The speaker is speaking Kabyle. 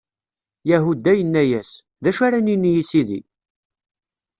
Yahuda yenna-yas: D acu ara nini i sidi?